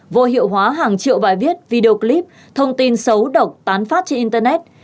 vô hiệu hóa hàng triệu bài viết video clip thông tin xấu độc tán phát trên internet